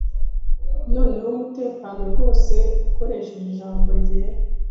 Noneho umutekano rwose ukoresheje ijambo ryera